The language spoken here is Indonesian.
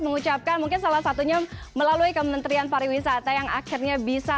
mengucapkan mungkin salah satunya melalui kementerian pariwisata yang akhirnya bisa